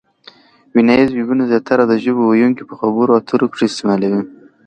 ویناییز وییونه زیاتره د ژبو ویونکي په خبرو اترو کښي استعمالوي.